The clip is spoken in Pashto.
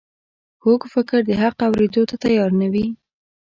کوږ فکر د حق اورېدو ته تیار نه وي